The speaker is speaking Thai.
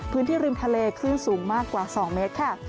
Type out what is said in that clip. ริมทะเลคลื่นสูงมากกว่า๒เมตรค่ะ